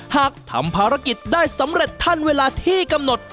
หากทำภารกิจได้สำเร็จทันเวลาที่กำหนด